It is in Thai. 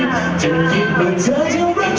ฉันจะรักคุณทุกคนมากครับผม